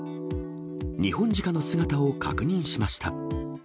ニホンジカの姿を確認しました。